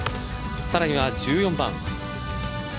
さらには１４番。